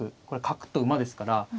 これ角と馬ですから。